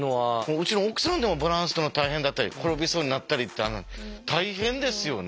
うちの奥さんでもバランス取るの大変だったり転びそうになったりってあるのに大変ですよね。